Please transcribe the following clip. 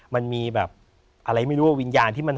มันมีแบบอะไรไม่รู้ว่าวิญญาณที่มัน